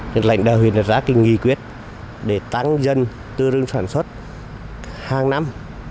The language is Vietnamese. những lãnh đạo huyện đã ra kinh nghi quyết để tăng dân tư rừng sản xuất hàng năm